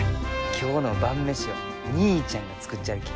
今日の晩飯は義兄ちゃんが作っちゃるき。